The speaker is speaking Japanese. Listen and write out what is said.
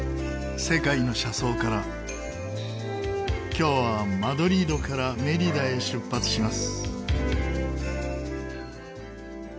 今日はマドリードからメリダへ出発します。